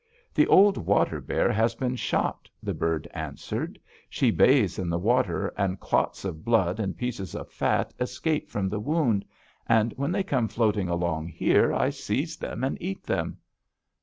"'The old water bear has been shot,' the bird answered. 'She bathes in the water, and clots of blood and pieces of fat escape from the wound, and when they come floating along here I seize them, and eat them.'